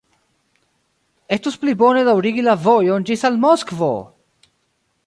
Estus pli bone daŭrigi la vojon ĝis al Moskvo!